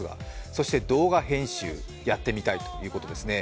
そして動画編集やってみたいということですね。